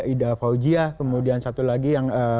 ida fauzia kemudian satu lagi yang